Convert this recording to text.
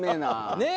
ねえ！